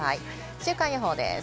週間予報です。